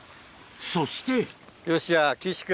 そしてよしじゃあ岸君。